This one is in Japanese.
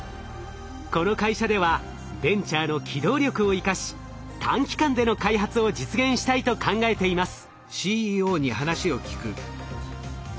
この会社ではベンチャーの機動力を生かし短期間での開発を実現したいと考えています。